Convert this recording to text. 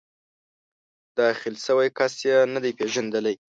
داخل شوی کس یې نه دی پېژندلی.